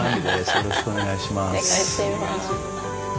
よろしくお願いします。